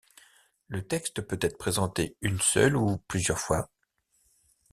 Le texte peut être présenté une seule ou plusieurs fois.